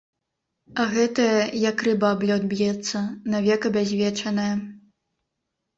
А гэтая як рыба аб лёд б'ецца, навек абязвечаная.